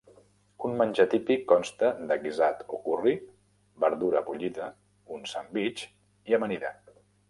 Un menjar típic consta de guisat o curri, verdura bullida, un sandvitx i amanida.